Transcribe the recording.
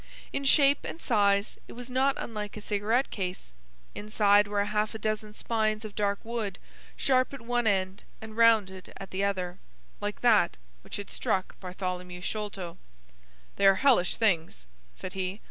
In shape and size it was not unlike a cigarette case. Inside were half a dozen spines of dark wood, sharp at one end and rounded at the other, like that which had struck Bartholomew Sholto. "They are hellish things," said he.